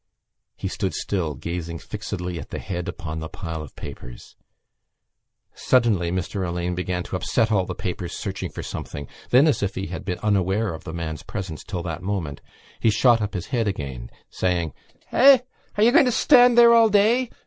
He stood still, gazing fixedly at the head upon the pile of papers. Suddenly Mr Alleyne began to upset all the papers, searching for something. Then, as if he had been unaware of the man's presence till that moment, he shot up his head again, saying: "Eh? Are you going to stand there all day?